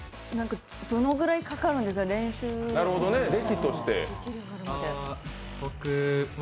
どのぐらいかかるんですか、練習は？